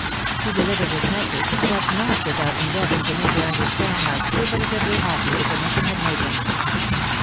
He delivered bia message) but not without endeavouring to make her understand how superlatively happy the commission had made him.